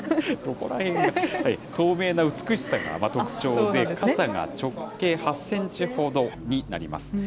透明な美しさが特徴で、かさが直径８センチほどになります。